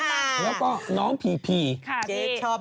เจ๊ชอบมากเพราะเจ๊ไม่รู้เรื่องอะไร